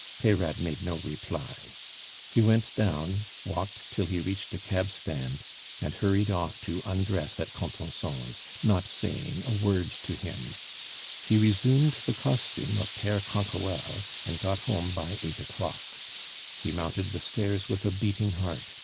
Peyrade made no reply; he went down, walked till he reached a cab stand, and hurried off to undress at Contenson's, not saying a word to him; he resumed the costume of Pere Canquoelle, and got home by eight o'clock. He mounted the stairs with a beating heart.